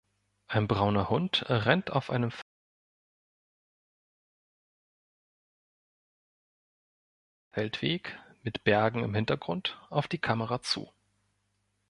Ein brauner Hund rennt auf einem Feldweg mit Bergen im Hintergrund auf die Kamera zu.